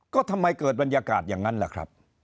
ก็ทำไมเกิดบรรยากาศอย่างนั้นล่ะครับ